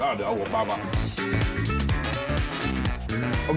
อ่ะเอาหัวปลามา